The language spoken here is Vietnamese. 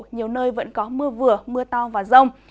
nhiều nơi vẫn có mưa vừa mưa to và rông